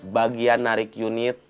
bagian narik unit